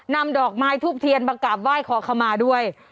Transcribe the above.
นำดอกไม้ทูบเทียนมากราบไหว้ขอขมาด้วย